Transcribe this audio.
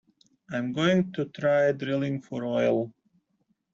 I am going to try drilling for oil.